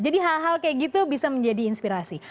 jadi hal hal kayak gitu bisa menjadi inspirasi